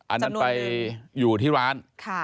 อันนั้นไปอยู่ที่ร้าน